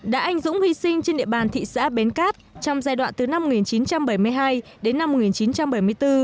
đã anh dũng hy sinh trên địa bàn thị xã bến cát trong giai đoạn từ năm một nghìn chín trăm bảy mươi hai đến năm một nghìn chín trăm bảy mươi bốn